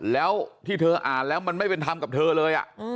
แล้วที่เธออ่านแล้วมันไม่เป็นธรรมกับเธอเลย